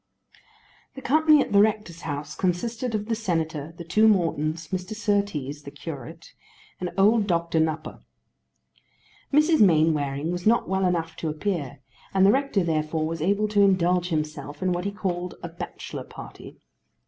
The company at the rector's house consisted of the Senator, the two Mortons, Mr. Surtees the curate, and old Doctor Nupper. Mrs. Mainwaring was not well enough to appear, and the rector therefore was able to indulge himself in what he called a bachelor party.